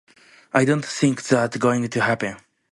I don’t think that’s going to happen.